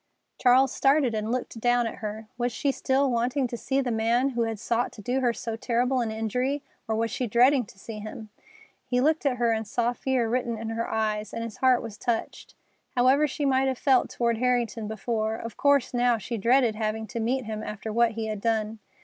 Charles started and looked down at her. Was she still wanting to see the man who had sought to do her so terrible an injury, or was she dreading to see him? He looked at her and saw fear written in her eyes, and his heart was touched. However she might have felt toward Harrington before, of course now she dreaded having to meet him after what he had done.